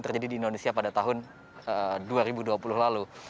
terjadi di indonesia pada tahun dua ribu dua puluh lalu